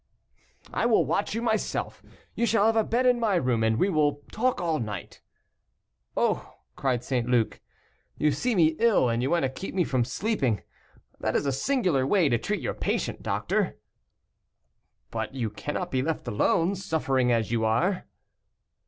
"I will watch you myself. You shall have a bed in my room, and we will talk all night." "Oh!" cried St Luc, "you see me ill, and you want to keep me from sleeping. That is a singular way to treat your patient, doctor." "But you cannot be left alone, suffering as you are."